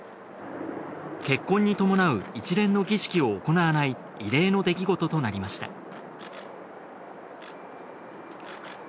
結婚に伴う一連の儀式を行わない異例の出来事となりました